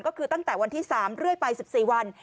ก็คือตั้งแต่วันที่๓เรื่อยไป๑๔วัน